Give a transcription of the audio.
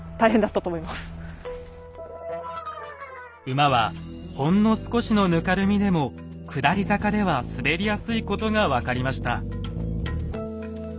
馬はほんの少しのぬかるみでも下り坂では滑りやすいことが分かりました。